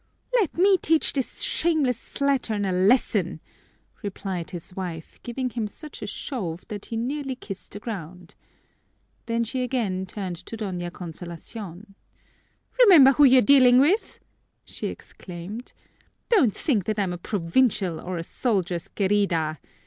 "Let me teach this shameless slattern a lesson," replied his wife, giving him such a shove that he nearly kissed the ground. Then she again turned to Doña Consolacion. "Remember who you're dealing with!" she exclaimed. "Don't think that I'm a provincial or a soldier's _querida!